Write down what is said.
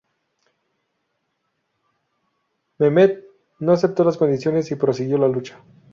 Mehmet no aceptó las condiciones y prosiguió la lucha.